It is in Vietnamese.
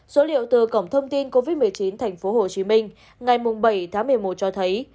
số liệu từ cổng thông tin covid một mươi chín tp hcm ngày bảy tháng một mươi một cho thấy